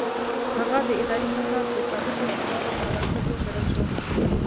هغه د اداري فساد د ثابتو اسنادو پر بنسټ وشړل شو.